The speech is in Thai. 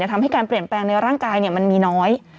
ทำให้การเปลี่ยนแปลงในร่างกายมันมีน้อย